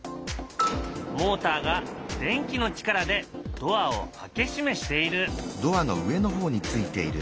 モーターが電気の力でドアを開け閉めしている。